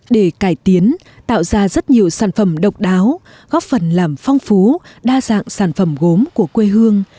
để cải tiến tạo ra rất nhiều sản phẩm độc đáo góp phần làm phong phú đa dạng sản phẩm gốm của quê hương